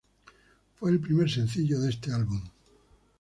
Fue el primer sencillo de este álbum.